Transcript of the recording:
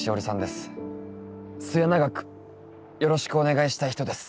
末永くよろしくお願いしたい人です。